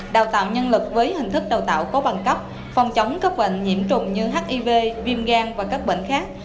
đào tạo nhân lực với hình thức đào tạo có bằng cấp phòng chống các bệnh nhiễm trùng như hiv viêm gan và các bệnh khác